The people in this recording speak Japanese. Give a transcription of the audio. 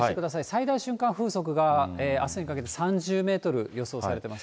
最大瞬間風速があすにかけて３０メートル予想されています。